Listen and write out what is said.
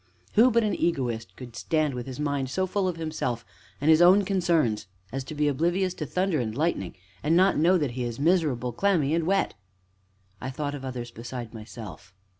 "Who but an egoist could stand with his mind so full of himself and his own concerns as to be oblivious to thunder and lightning, and not know that he is miserably clammy and wet?" "I thought of others besides myself."